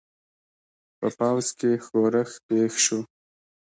په پوځ کې ښورښ پېښ شو.